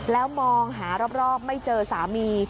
แล้วมองหารอบไม่เจอสามี